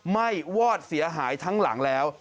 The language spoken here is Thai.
้วอดเสียหายทั้งหลังแล้ว